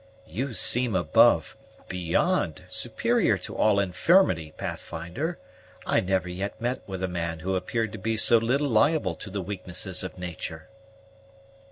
"You seem above, beyond, superior to all infirmity, Pathfinder; I never yet met with a man who appeared to be so little liable to the weaknesses of nature."